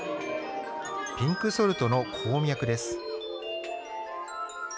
ピンクソルトの鉱脈です。